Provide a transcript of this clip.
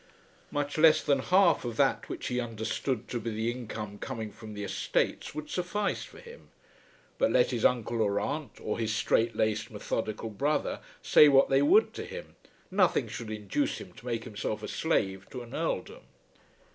Much less than half of that which he understood to be the income coming from the estates would suffice for him. But let his uncle or aunt, or his strait laced methodical brother, say what they would to him, nothing should induce him to make himself a slave to an earldom.